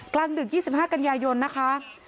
ดึก๒๕กันยายนนะคะ